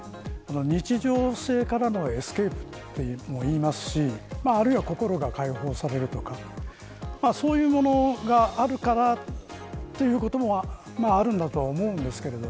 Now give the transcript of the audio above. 日常性からのエスケープとも言いますしあるいは心が解放されるとかそういうものがあるからということもあるんだと思うんですけど